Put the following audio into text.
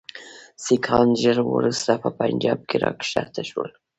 سیکهان ژر وروسته په پنجاب کې را کښته شول.